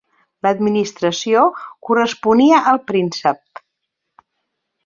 L'administració corresponia al príncep.